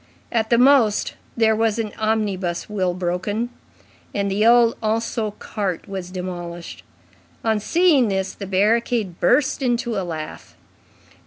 At the most there was an omnibus wheel broken, and the old Anceau cart was demolished. On seeing this, the barricade burst into a laugh.